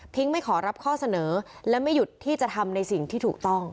ไม่ขอรับข้อเสนอและไม่หยุดที่จะทำในสิ่งที่ถูกต้อง